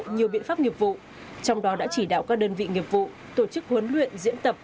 nhiều biện pháp nghiệp vụ trong đó đã chỉ đạo các đơn vị nghiệp vụ tổ chức huấn luyện diễn tập